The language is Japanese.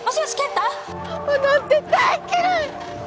パパなんて大っ嫌い！